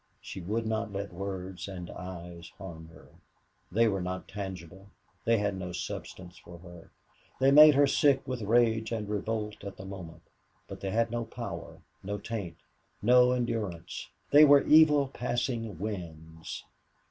She would not let words and eyes harm her. They were not tangible they had no substance for her. They made her sick with rage and revolt at the moment, but they had no power, no taint, no endurance. They were evil passing winds.